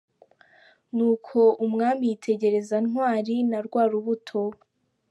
Ni uko umwami yitegereza Ntwari na rwa rubuto.